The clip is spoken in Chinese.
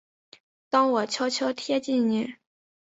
当我悄悄贴近你